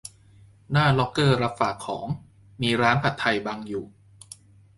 หน้าล็อกเกอร์รับฝากของ มีร้านผัดไทยบังอยู่